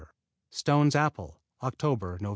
Stone's Apple Oct., Nov.